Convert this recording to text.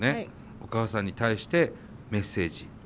お母さんに対してメッセージ。